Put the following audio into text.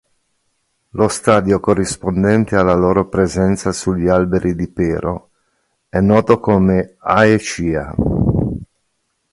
Lo stadio corrispondente alla loro presenza sugli alberi di pero è noto come aecia.